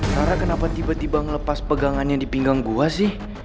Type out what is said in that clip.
sarah kenapa tiba tiba ngelepas pegangannya di pinggang gue sih